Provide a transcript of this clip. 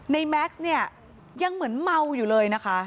แม็กซ์เนี่ยยังเหมือนเมาอยู่เลยนะคะ